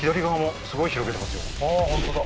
本当だ